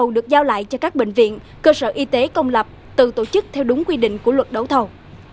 được giao lại cho các bệnh viện cơ sở y tế công lập tự tổ chức theo đúng quy định của luật đấu thầu